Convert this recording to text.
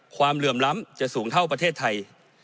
เหลื่อมล้ำจะสูงเท่าประเทศไทย